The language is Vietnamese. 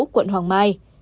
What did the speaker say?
quận hoàng mai